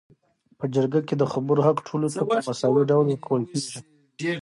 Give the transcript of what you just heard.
په جرګه کي د خبرو حق ټولو ته په مساوي ډول ورکول کيږي